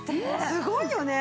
すごいよね！